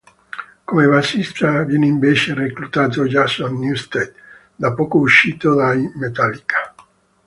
Come bassista viene invece reclutato Jason Newsted, da poco uscito dai Metallica.